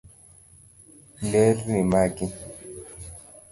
Nderni mangi